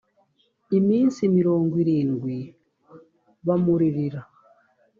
iminsi mirongo irindwi bamuririra